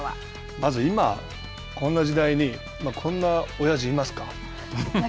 まず今、こんな時代にこんなおやじいますか？